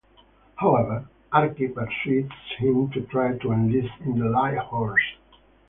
However, Archy persuades him to try to enlist in the Light Horse.